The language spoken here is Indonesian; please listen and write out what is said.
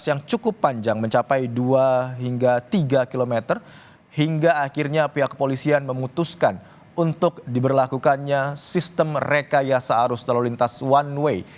yang cukup panjang mencapai dua hingga tiga km hingga akhirnya pihak kepolisian memutuskan untuk diberlakukannya sistem rekayasa arus lalu lintas one way